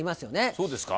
そうですか？